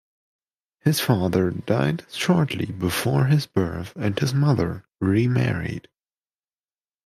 His father died shortly before his birth and his mother remarried.